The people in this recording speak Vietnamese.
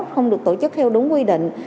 không được tổ chức theo đúng quy định